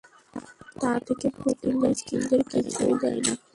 তা থেকে ফকীর মিসকীনদের কিছুই দেয় না।